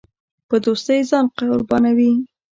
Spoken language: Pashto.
په دوستۍ ځان قربانوي.